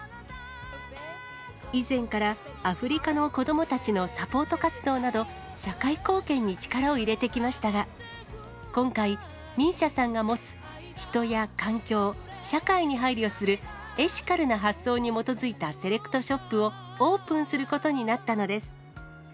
以前から、アフリカの子どもたちのサポート活動など、社会貢献に力を入れてきましたが、今回、ＭＩＳＩＡさんが持つ、人や環境、社会に配慮するエシカルな発想に基づいたセレクトショップをオープンすることになったのです。